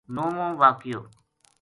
نوووں واقعو: